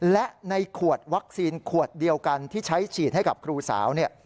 และในขวดวัคซีนขวดเดียวกันที่ใช้ฉีดให้กับครูสาวเนี่ย